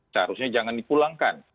seharusnya jangan dipulangkan